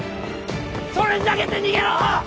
それ投げて逃げろ！